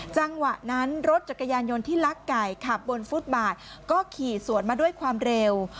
จังหวะนั้นรถจักรยานยนต์ที่ลักไก่ขับบนฟุตบาทก็ขี่สวนมาด้วยความเร็ว